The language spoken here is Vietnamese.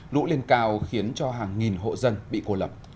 lũ lên cao khiến cho hàng nghìn hộ dân bị cô lập